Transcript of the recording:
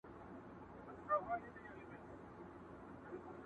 کور ساړه او دروند دی او ژوند پکي بند،